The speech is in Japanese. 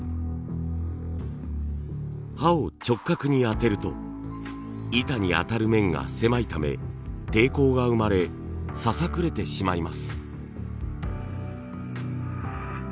刃を直角に当てると板に当たる面が狭いため抵抗が生まれささくれてしまいます。